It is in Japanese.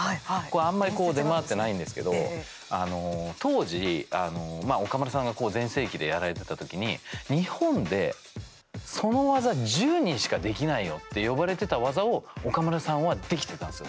あんまり出回ってないんですけど当時、岡村さんが全盛期でやられていた時に日本で、その技１０人しかできないよって呼ばれてた技を岡村さんはできてたんですよ。